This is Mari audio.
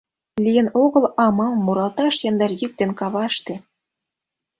Лийын огыл амал муралташ яндар йӱк ден каваште.